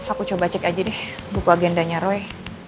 aku coba cek aja deh buku agendanya roy